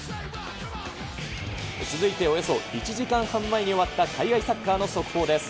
続いて、およそ１時間半前に終わった海外サッカーの速報です。